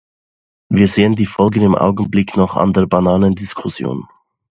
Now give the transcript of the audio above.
Wir sehen die Folgen im Augenblick noch an der Bananendiskussion.